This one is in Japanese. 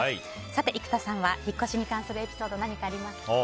生田さんは引っ越しに関するエピソード何かありますか？